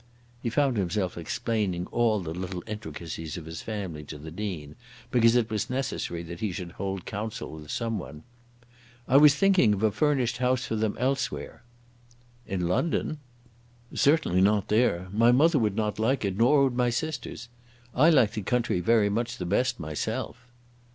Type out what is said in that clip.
He found himself explaining all the little intricacies of his family to the Dean, because it was necessary that he should hold council with some one. "I was thinking of a furnished house for them elsewhere." "In London?" "Certainly not there. My mother would not like it, nor would my sisters. I like the country very much the best myself."